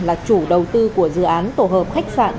là chủ đầu tư của dự án tổ hợp khách sạn